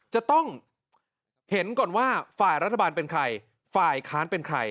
จะต้องเห็นก่อนว่าฝ่ายรัฐบาลเป็นใครฝ่ายค้านเป็นใคร